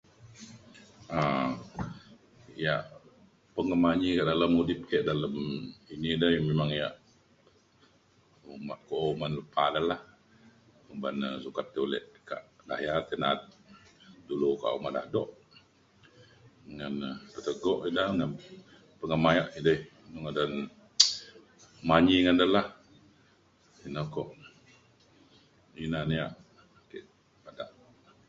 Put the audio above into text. um ya' pengemanyi dalem udip ke dalem ini dai memang ya' [unintelligible] oban ne sukat tai ulik ke daya le ta tai na'at dulu ke omak daduk ngan peteguk ida ngan pengemaya edai iu ngadan manyi ngan da la jukok ina ne ya' ake. [unintelligible]